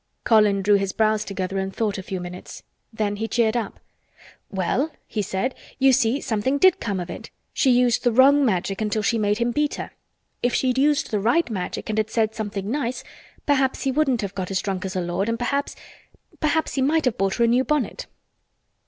Colin drew his brows together and thought a few minutes. Then he cheered up. "Well," he said, "you see something did come of it. She used the wrong Magic until she made him beat her. If she'd used the right Magic and had said something nice perhaps he wouldn't have got as drunk as a lord and perhaps—perhaps he might have bought her a new bonnet."